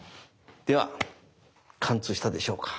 では貫通したでしょうか？